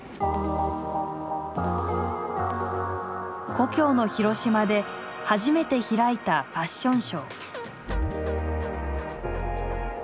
故郷の広島で初めて開いたファッションショー。